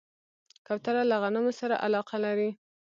کوتره له غنمو سره علاقه لري.